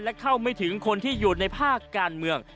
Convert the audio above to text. และเข้าไม่ถึงคนที่อยู่ในภาคการเมือง